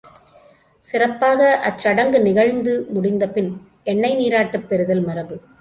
சிறப்பாக அச் சடங்கு நிகழ்ந்து முடிந்தபின், எண்ணெய் நீராட்டுப் பெறுதல் மரபு.